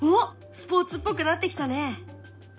スポーツっぽくなってきたね。